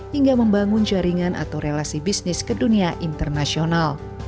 hingga membangun jaringan atau relasi bisnis ke dunia internasional